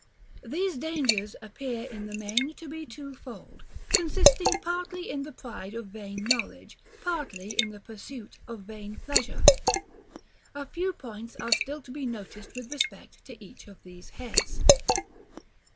§ IV. Those dangers appear, in the main, to be twofold; consisting partly in the pride of vain knowledge, partly in the pursuit of vain pleasure. A few points are still to be noticed with respect to each of these heads.